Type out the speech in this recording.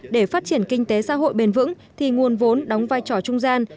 để phát triển kinh tế xã hội bền vững thì nguồn vốn đóng vai trò trung gian